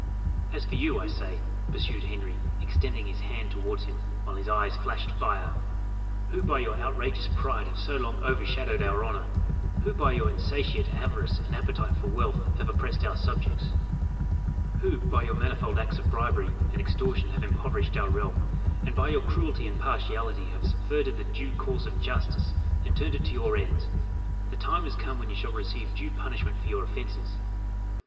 "As for you, I say," pursued Henry, extending his hand towards him, while his eyes flashed fire, "who by your outrageous pride have so long overshadowed our honour who by your insatiate avarice and appetite for wealth have oppressed our subjects who by your manifold acts of bribery and extortion have impoverished our realm, and by your cruelty and partiality have subverted the due course of justice and turned it to your ends the time is come when you shall receive due punishment for your offences."